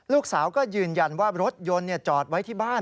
ลูกสาวก็ยืนยันว่ารถยนต์จอดไว้ที่บ้าน